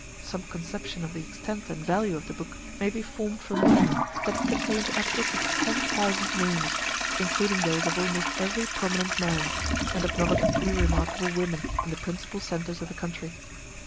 Some conception of the extent and value of the book may be formed from the fact that it contained upwards of ten thousand names, including those of almost every prominent man, and of not a few remarkable women in the principal centres of the country.